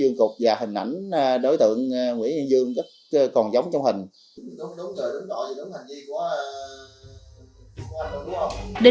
xe honda bốn mươi chín theo sát xe mà chở chị mãi vợ của đối tượng nguyễn dương ngày hai mươi bốn tháng một mươi hai năm hai nghìn một mươi một tại